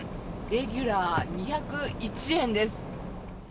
レギュラー２０１円です。